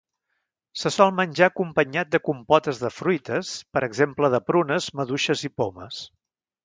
Se sol menjar acompanyat de compotes de fruites, per exemple de prunes, maduixes i pomes.